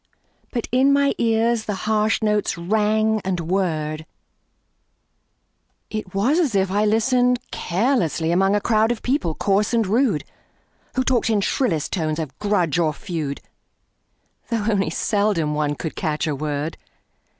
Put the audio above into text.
But in my ears the harsh notes rang and whirred; It was as if I listened carelessly Among a crowd of people coarse and rude, Who talked in shrillest tones of grudge or feud, Though only seldom one could catch a word.